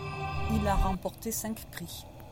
Il a remporté cinq prix.